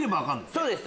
そうです。